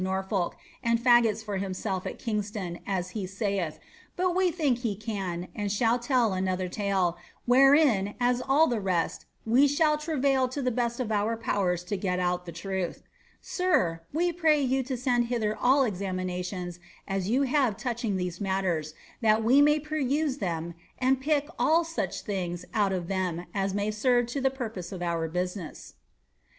Norfolk, andlagot9 for himself at Kingston, as lie aaith, but wa think he can, and shall tell another tale, wherein, as in all the rest, we sh^ Irarail to the best of our powers to g«t out the inith. Sir. we pray you to smil hither all such examinations as you have touching these nuitlen, thai we may peruse them, and pick all such things out of them as ma^ serve to the purpose of our business.'"